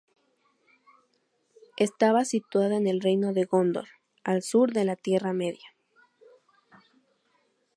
Estaba situada en el reino de Gondor, al sur de la Tierra Media.